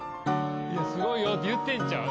すごいよって言ってんちゃう？